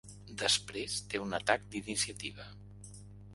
Després té un atac d'iniciativa.